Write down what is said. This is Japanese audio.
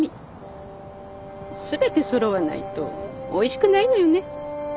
全て揃わないとおいしくないのよね。